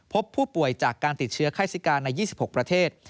พบผู้ป่วยจากการติดเชื้อไข้ซิกาใน๒๖ประเทศ